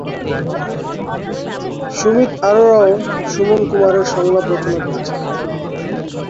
সুমিত অরোরা ও সুমন কুমার এর সংলাপ রচনা করেছেন।